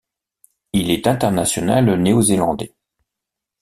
Il est international néo-zélandais.